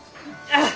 ああ！